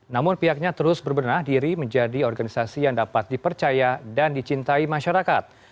namun pihaknya terus berbenah diri menjadi organisasi yang dapat dipercaya dan dicintai masyarakat